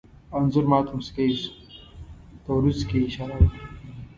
انځور ما ته موسکی شو، په وروځو کې یې اشاره وکړه.